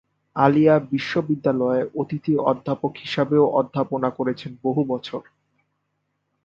আলিয়া বিশ্ববিদ্যালয়ে অতিথি অধ্যাপক হিসাবেও অধ্যাপনা করেছেন বহু বছর।